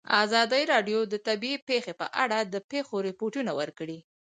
ازادي راډیو د طبیعي پېښې په اړه د پېښو رپوټونه ورکړي.